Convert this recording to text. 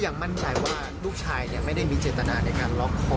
ยังมั่นใจว่าลูกชายไม่ได้มีเจตนาในการล็อกคอ